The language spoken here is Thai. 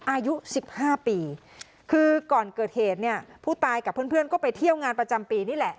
อายุสิบห้าปีคือก่อนเกิดเหตุเนี่ยผู้ตายกับเพื่อนเพื่อนก็ไปเที่ยวงานประจำปีนี่แหละ